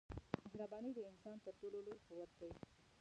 مهرباني د انسان تر ټولو لوی قوت دی.